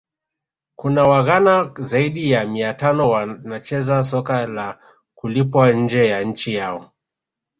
Kuna waghana zaidi ya mia tano wanacheza soka la kulipwa nje ya nchi yao